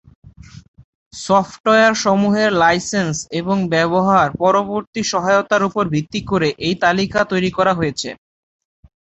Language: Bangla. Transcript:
সফটওয়্যার সমূহের লাইসেন্স এবং ব্যবহার পরবর্তী সহায়তার উপর ভিত্তি করেই এই তালিকা তৈরি করা হয়েছে।